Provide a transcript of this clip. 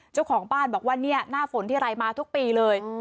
เจ้าของบ้านบอกว่าเนี่ยหน้าฝนที่ไรมาทุกปีเลย